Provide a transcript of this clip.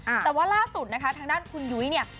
แต่ว่าล่าสุดนะคะทางด้านคุณยุ้ยเนี่ย